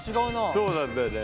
そうなんだよね。